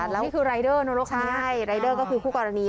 แล้วนี่คือรายเดอร์ใช่รายเดอร์ก็คือคู่กรณี